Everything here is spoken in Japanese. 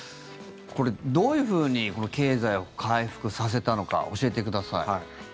これ、どういうふうに経済を回復させたのか教えてください。